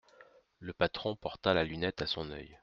Le patron porta la lunette à son oeil.